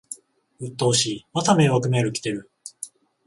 うっとうしい、また迷惑メール来てる